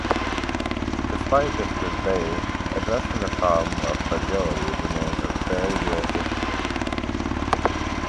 Despite this debate, addressing the problem of fragility remains a very real issue.